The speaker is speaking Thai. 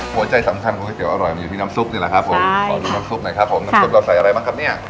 หัวใจสำคัญของครูแก๋วอร่อยมันอยู่ที่น้ำซุปนี่แหละครับผมน้ำซุปเราใส่อะไรบ้างครับเนี่ย